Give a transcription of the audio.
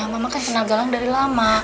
mama kan kenal galang dari lama